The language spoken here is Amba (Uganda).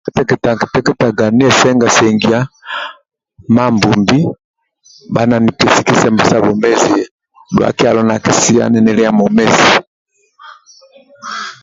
Kateketaga niesengasengia Mambombi bha nanipesi kisembo sa bwomezi dhua kyalo nakisia ninilia mwomezi